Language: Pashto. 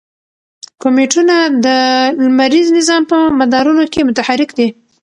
کومیټونه د لمریز نظام په مدارونو کې متحرک دي.